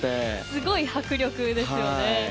すごい迫力ですよね。